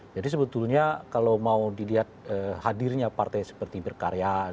jadi sebetulnya kalau mau dilihat hadirnya partai seperti birkarya